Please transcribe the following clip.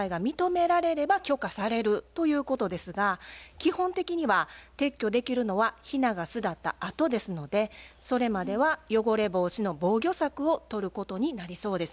基本的には撤去できるのはヒナが巣立ったあとですのでそれまでは汚れ防止の防御策をとることになりそうです。